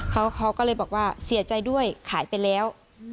เขาก็เลยบอกว่าเสียใจด้วยขายไปแล้ว